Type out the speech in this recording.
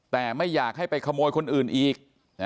แต่ไม่อยากให้ไปขโมยคนอื่นอีก